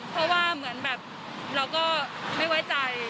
เพราะว่ากูไม่ไหวใจ